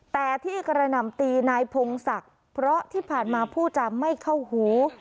แต่ที่กระหน่ำตีนายพงศักดิ์เพราะที่ผ่านมาผู้จำไม่เข้าหู